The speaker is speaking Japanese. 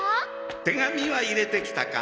手紙は入れてきたか？